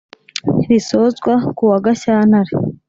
, risozwa kuwa Gashyantare